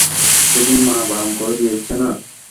সেদিন মা বারণ করে দিয়েছে না?